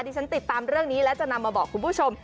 ที่ฉันติดตามเรื่องนี้และจะนำมาบอกคุณผู้ชม